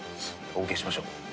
お受けしましょう。